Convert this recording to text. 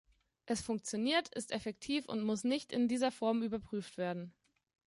Es funktioniert, ist effektiv und muss nicht in dieser Form überprüft werden.